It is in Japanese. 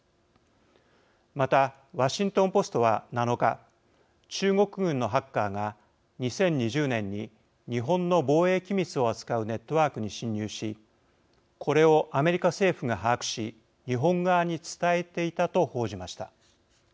また、ワシントン・ポストは７日中国軍のハッカーが２０２０年に日本の防衛機密を扱うネットワークに侵入しこれをアメリカ政府が把握し日本側に伝えていたと報じました。